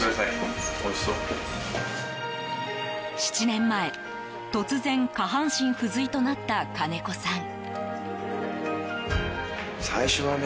７年前、突然下半身不随となった金子さん。